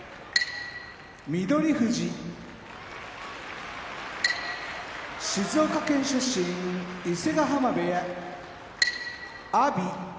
翠富士静岡県出身伊勢ヶ濱部屋阿炎埼玉県出身